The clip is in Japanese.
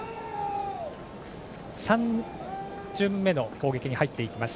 ３巡目の攻撃に入っています。